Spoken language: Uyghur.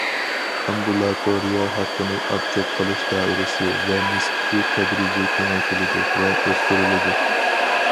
ئامبۇلاتورىيە ھەققىنى ئاتچوت قىلىش دائىرىسى ۋە نىسبىتى تەدرىجىي كېڭەيتىلىدۇ ۋە ئۆستۈرۈلىدۇ.